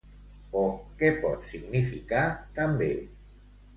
O què pot significar també?